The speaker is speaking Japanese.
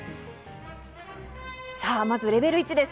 さぁ、まずレベル１です。